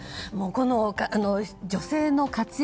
この女性の活躍